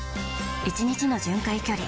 １日の巡回距離